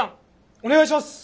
お願いします。